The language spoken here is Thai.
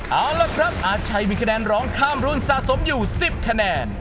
เอาล่ะครับอาชัยมีคะแนนร้องข้ามรุ่นสะสมอยู่๑๐คะแนน